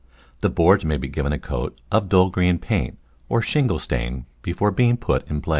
The boards may be given a coat of dull green paint or shingle stain before being put in place.